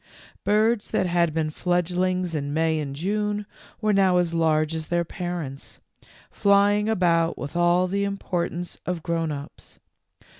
Birds that had been fledglings in May and June were now as large as their parents, fly ing about with all the importance of grown ups.